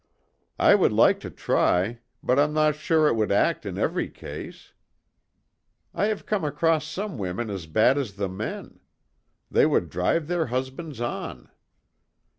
"I would like to try, but I'm no sure it would act in every case. I have come across some women as bad as the men; they would drive their husbands on.